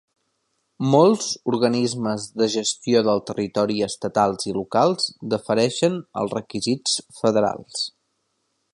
Molts organismes de gestió del territori estatals i locals defereixen als requisits federals.